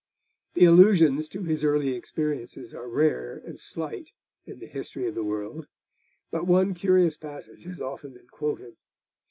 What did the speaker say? The allusions to his early experiences are rare and slight in the History of the World, but one curious passage has often been quoted.